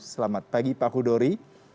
selamat pagi pak hudori